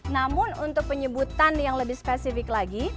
namun untuk penyebutan yang lebih spesifik lagi